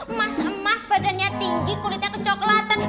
emas emas badannya tinggi kulitnya kecoklatan